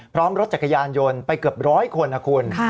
พร้อมรถจักรยานยนต์ไปเกือบร้อยคนนะคุณ